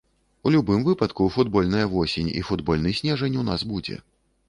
У любым выпадку футбольная восень і футбольны снежань у нас будзе.